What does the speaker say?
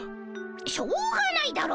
しょうがないだろ。